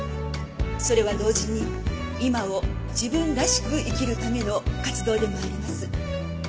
それは同時に今を自分らしく生きるための活動でもあります。